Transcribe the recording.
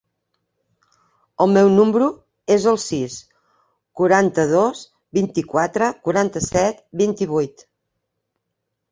El meu número es el sis, quaranta-dos, vint-i-quatre, quaranta-set, vint-i-vuit.